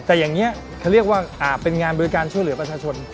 แต่อย่างนี้เขาเรียกว่าเป็นงานบริการช่วยเหลือประชาชน